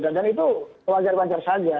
dan itu wajar wajar saja